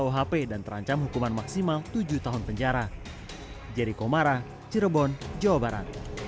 satu ratus tujuh puluh kuhp dan terancam hukuman maksimal tujuh tahun penjara